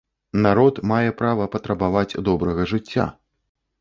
Народ мае права патрабаваць добрага жыцця.